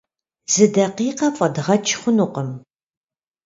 Зы дакъикъэ фӀэдгъэкӀ хъунукъым.